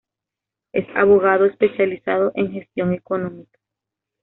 Es abogado especializado en gestión económica.